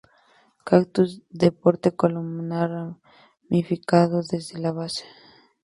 Cactus de porte columnar ramificado desde la base.